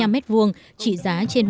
bốn mươi năm m hai trị giá trên